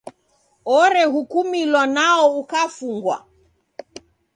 Orehukumilwa nwao ukafungwa.